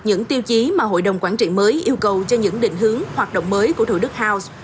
những tiêu chí mà hội đồng quản trị mới yêu cầu cho những định hướng hoạt động mới của thủ đức house